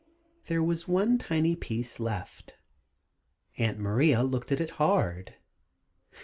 There was one tiny piece left. Aunt Maria looked at it hard.